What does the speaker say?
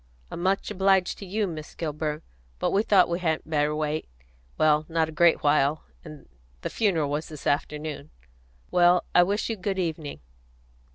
"I'm much obliged to you, Miss Kilburn; but we thought we hadn't better wait, well not a great while, and the funeral was this afternoon. Well, I wish you good evening."